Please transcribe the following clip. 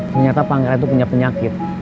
ternyata pangeran itu punya penyakit